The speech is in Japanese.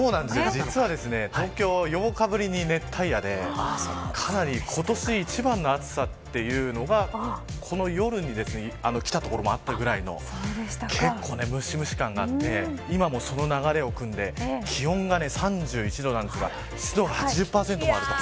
実は東京４日ぶりに熱帯夜で今年一番の暑さというのがこの夜にきた所もあったぐらいの結構、むしむし感があって今もその流れをくんで気温が３１度なんですが湿度が８０％もあると。